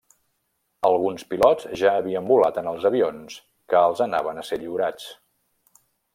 Alguns pilots ja havien volat en els avions que els anaven a ser lliurats.